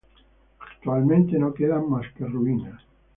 Actualmente no quedan más que ruinas.